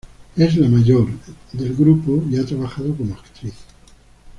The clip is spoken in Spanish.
Es la mayor el grupo y ha trabajado como actriz.